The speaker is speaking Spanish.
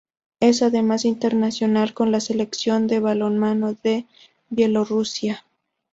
Es además internacional con la Selección de balonmano de Bielorrusia.